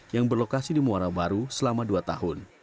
yang berlokasi di muara baru selama dua tahun